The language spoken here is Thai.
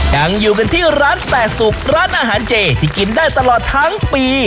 ยังอยู่กันที่ร้านแต่สุกร้านอาหารเจที่กินได้ตลอดทั้งปี